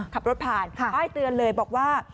ขับรถผ่านป้ายเตือนเลยบอกว่า